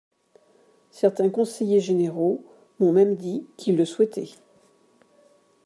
Certains conseillers généraux m’ont même dit qu’ils le souhaitaient.